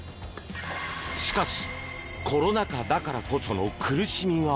しかし、コロナ禍だからこその苦しみが。